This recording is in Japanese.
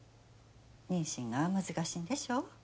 妊娠が難しいんでしょ？